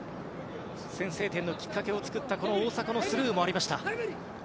先制点のきっかけを作った大迫のスルーもありました。